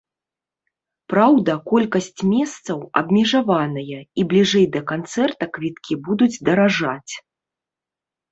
Праўда, колькасць месцаў абмежаваная і бліжэй да канцэрта квіткі будуць даражаць.